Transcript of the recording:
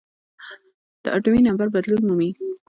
د اتومي نمبر بدلون مومي .